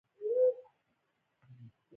د ژړا غږ يې ټول روغتون په سر اخيستی و.